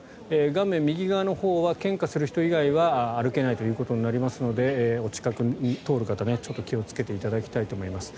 画面右側のほうは献花する人以外は歩けないということになりますのでお近くを通る方気をつけていただきたいと思います。